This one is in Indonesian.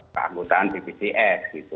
keanggotaan bpjs gitu